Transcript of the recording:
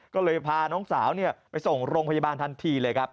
ก็เลยพาน้องสาวไปส่งโรงพยาบาลทันทีเลยครับ